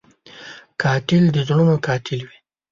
قاتل د زړونو قاتل وي